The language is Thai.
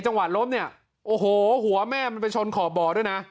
ล้มเนี่ยโอ้โหหัวแม่มันไปชนขอบบ่อด้วยนะ